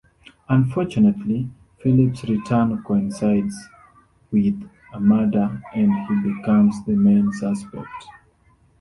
Unfortunately, Philip's return coincides with a murder and he becomes the main suspect.